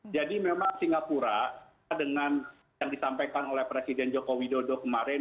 jadi memang singapura dengan yang disampaikan oleh presiden joko widodo kemarin